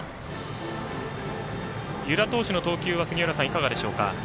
湯田投手の投球は杉浦さん、いかがでしょうか？